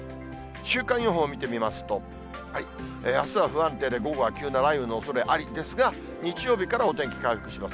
週間予報見てみますと、あすは不安定で、午後は急な雷雨のおそれありですが、日曜日からお天気回復します。